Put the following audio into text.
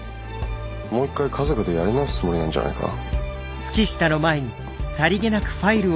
もう一回家族でやり直すつもりなんじゃないか。